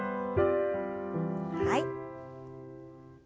はい。